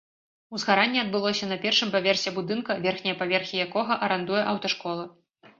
Узгаранне адбылося на першым паверсе будынка, верхнія паверхі якога арандуе аўташкола.